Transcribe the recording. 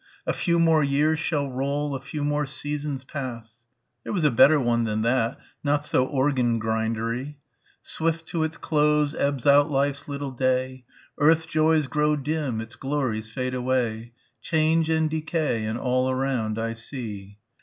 "A few more years shall roll ... A few more seasons pass...." There was a better one than that ... not so organ grindery. "Swift to its close ebbs out life's little day; Earth's joys grow dim, its glories fade away; Change and decay in all around I see."